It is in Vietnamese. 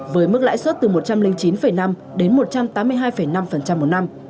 với mức lãi suất từ một trăm linh chín năm đến một trăm tám mươi hai năm một năm